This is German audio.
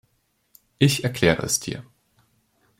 Ich erkläre es dir.